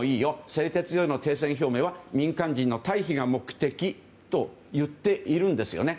製鉄所の停戦表明は民間人の退避が目的と言っているんですよね。